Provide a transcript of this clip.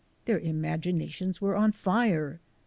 Their imaginations were on fire.